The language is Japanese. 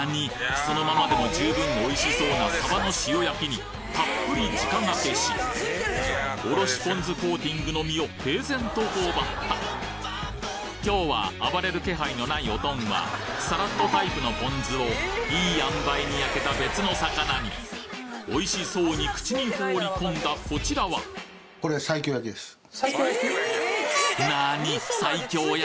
そのままでも十分おいしそうなサバの塩焼きにたっぷり直がけしおろしポン酢コーティングの身を平然と頬張った今日は暴れる気配のないオトンはサラッとタイプのポン酢をいい塩梅に焼けた別の魚においしそうに口に放り込んだこちらは何？